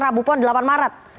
rabu pohon delapan maret